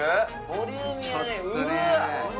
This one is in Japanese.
ボリューミーやね